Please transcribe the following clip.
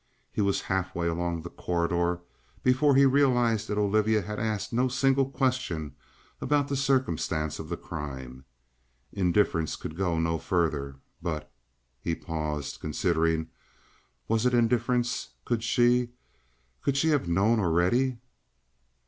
He was halfway along the corridor before he realized that Olivia had asked no single question about the circumstance of the crime. Indifference could go no further. But he paused, considering was it indifference? Could she could she have known already?